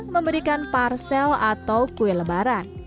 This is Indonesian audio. memberikan parcel atau kue lebaran